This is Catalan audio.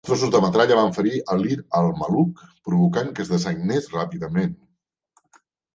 Els trossos de metralla van ferir a Leer al maluc, provocant que es dessagnés ràpidament.